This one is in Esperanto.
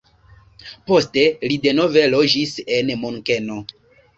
Poste li denove loĝis en Munkeno.